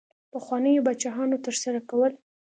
پخوانیو پاچاهانو ترسره کول.